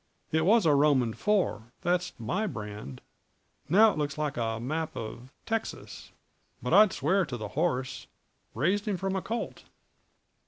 It was a Roman four that's my brand; now it looks like a map of Texas; but I'd swear to the horse raised him from a colt."